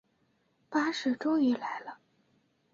巴士终于来了